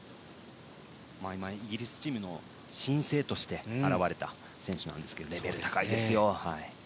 イギリスチームの新星として現れた選手なんですけどレベルが高いですよ。